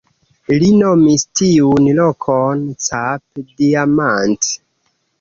Li nomis tiun lokon "Cap-Diamant".